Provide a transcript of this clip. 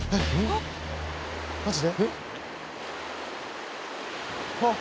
えっ？